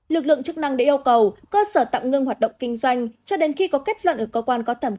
lực lượng chức năng đã yêu cầu cơ sở tạm ngưng hoạt động kinh doanh